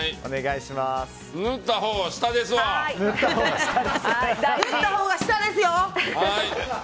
塗ったほうが下ですよ！